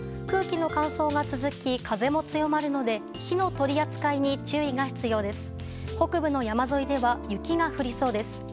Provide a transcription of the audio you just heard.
空気の乾燥が続き風も強まるので火の取り扱いに注意が必要です。